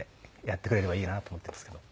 やってくれればいいなと思っていますけど。